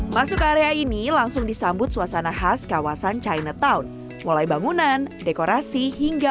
masuk ke area ini langsung disambut suasana khas kawasan chinatown mulai bangunan dekorasi hingga